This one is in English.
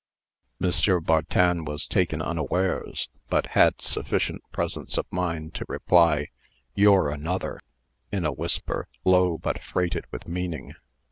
M. Bartin was taken unawares, but had sufficient presence of mind to reply, "You're another," in a whisper, low, but freighted with meaning.